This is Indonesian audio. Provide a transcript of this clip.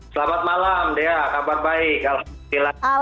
selamat malam dea kabar baik alhamdulillah